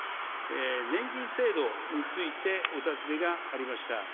年金制度についてお尋ねがありました。